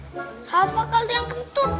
rafa kali yang kentut